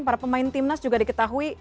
para pemain timnas juga diketahui